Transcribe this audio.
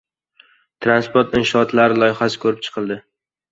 Transport inshootlari loyihasi ko‘rib chiqildi